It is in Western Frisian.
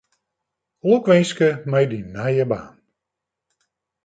Lokwinske mei dyn nije baan.